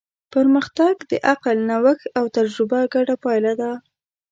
پرمختګ د عقل، نوښت او تجربه ګډه پایله ده.